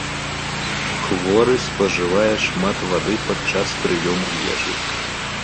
Хворы спажывае шмат вады падчас прыёму ежы.